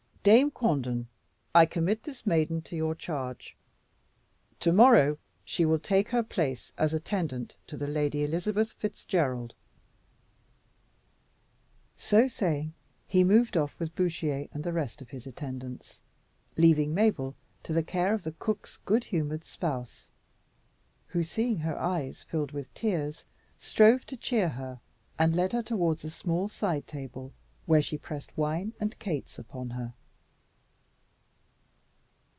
Dame Quanden, I commit this maiden to your charge. To morrow she will take her place as attendant to the Lady Elizabeth Fitzgerald." So saying, he moved off with Bouchier and the rest of his attendants, leaving Mabel to the care of the cook's good humoured spouse, who seeing her eyes filled with tears, strove to cheer her, and led her towards a small side table, where she pressed wine and cates upon her.